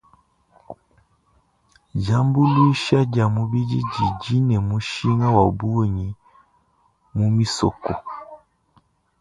Diambuluisha dia mubidi didi ne mushinga wa bungi mu misoko.